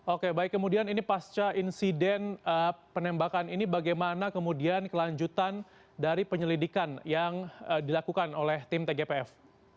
oke baik kemudian ini pasca insiden penembakan ini bagaimana kemudian kelanjutan dari penyelidikan yang dilakukan oleh tim tgpf